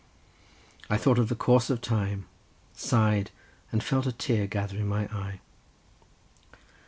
I thought of the course of time, sighed and felt a tear gather in my eye.